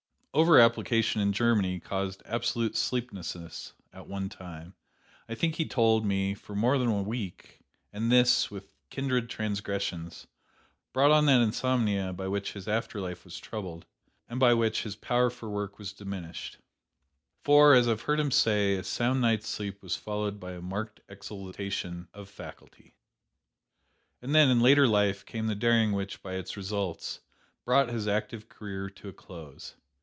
"Over application in Germany caused absolute sleeplessness, at one time, I think he told me, for more than a week; and this, with kindred transgressions, brought on that insomnia by which his after life was troubled, and by which his power for work was diminished; for, as I have heard him say, a sound night's sleep was followed by a marked exaltation of faculty. "And then, in later life, came the daring which, by its results, brought his active career to a close.